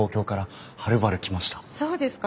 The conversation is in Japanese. そうですか。